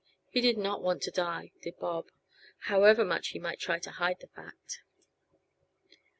He did not want to die, did Bob, however much he might try to hide the fact.